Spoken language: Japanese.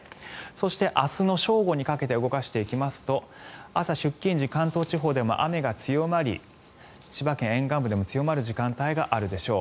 そして明日の正午にかけて動かしていきますと朝、出勤時関東地方でも雨が強まり千葉県沿岸部でも強まる時間帯があるでしょう。